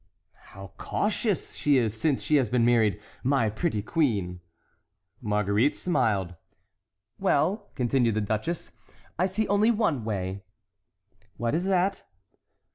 "How cautious she is since she has been married, my pretty queen!" Marguerite smiled. "Well," continued the duchess, "I see only one way." "What is that?"